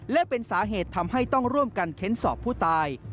และเป็นสาเหตุทำให้ต้องร่วมกันเค้นสอบผู้ตาย